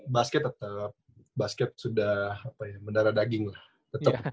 basket tetep basket sudah mendara daging lah tetep